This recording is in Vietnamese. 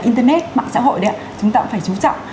internet mạng xã hội đấy chúng ta cũng phải chú trọng